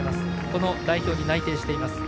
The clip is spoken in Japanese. この代表に内定してます。